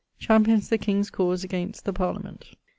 <_Champions the king's cause against the parliament.